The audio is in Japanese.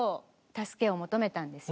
助けを求めたんですよ。